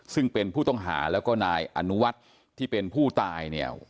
ซึ่งเป็นผู้ต้องหาแล้วก็นายอนุวัฒน์ที่เป็นผู้ตายเนี่ย